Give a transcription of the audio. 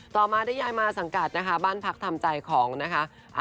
ต่อมาได้ย้ายมาสังกัดนะคะบ้านพักทำใจของนะคะ